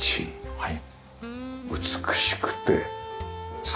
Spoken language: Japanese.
はい。